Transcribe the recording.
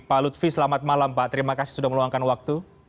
pak lutfi selamat malam pak terima kasih sudah meluangkan waktu